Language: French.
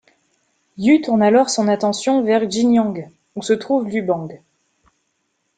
Yu tourne alors son attention vers Xingyang, où se trouve Liu Bang.